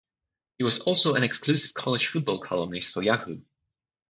He was also an exclusive college football columnist for Yahoo!